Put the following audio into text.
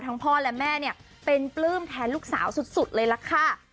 พ่อและแม่เนี่ยเป็นปลื้มแทนลูกสาวสุดเลยล่ะค่ะ